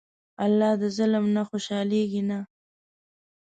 الله د ظلم نه خوشحالېږي نه.